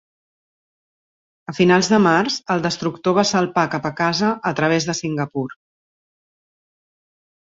A finals de març, el destructor va salpar cap a casa a través de Singapur.